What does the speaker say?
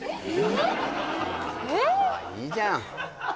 まあいいじゃん